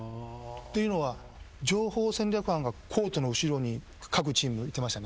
っていうのは情報戦略班がコートの後ろに各チームいてましてね